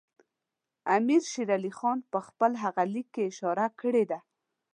امیر شېر علي خان په خپل هغه لیک کې اشاره کړې ده.